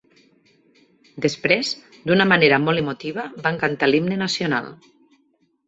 Després, d’una manera molt emotiva, van cantar l’himne nacional.